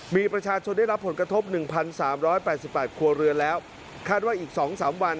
มีประชาชนได้รับผลกระทบหนึ่งพันสามร้อยแปดสิบแปดครัวเรือแล้วคาดว่าอีกสองสามวัน